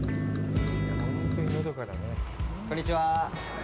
こんにちは。